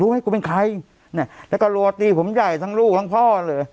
ให้กูเป็นใครเนี่ยแล้วก็รัวตีผมใหญ่ทั้งลูกทั้งพ่อเลย